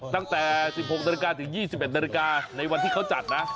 ตั้งแต่๑๖นาฬิกาถึง๒๑นาฬิกาในวันที่เขาจัดนะ